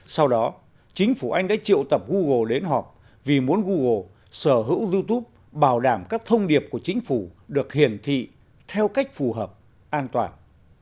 sau đó chính phủ anh đã triệu tập google đến họp vì muốn google sở hữu youtube bảo đảm các thông điệp của chính phủ được hiển thị theo cách phù hợp an toàn